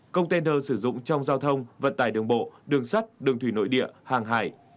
công tên hợp sử dụng trong giao thông vận tài đường bộ đường sắt đường thủy nội địa hàng hải